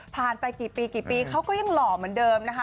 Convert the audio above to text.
กินไปกี่ปีเขายังหล่อเหมือนเดิมนะคะ